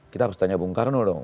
kita harus tanya bung karno dong